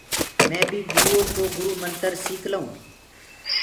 مي بي گُرو ڪو گُرو منتر سيک لنٚوٚ۔